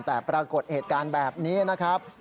แต่ปรากฏเหตุการณ์แบบนี้นะครับ